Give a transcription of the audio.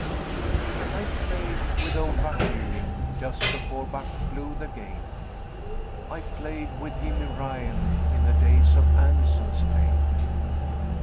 I played with Old Buck Ewing just before Buck blew the game, I played with Jimmy Ryan in the days of Anson's fame.